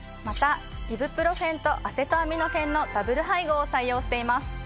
またイブプロフェンとアセトアミノフェンのダブル配合を採用しています！